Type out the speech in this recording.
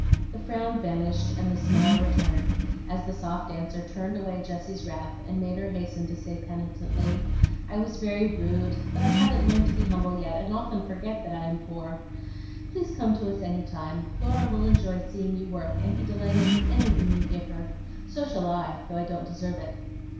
The frown vanished and the smile returned as the soft answer turned away Jessie's wrath and made her hasten to say penitently, "I was very rude; but I haven't learned to be humble yet, and often forget that I am poor. Please come to us any time. Laura will enjoy seeing you work, and be delighted with anything you give her. So shall I, though I don't deserve it."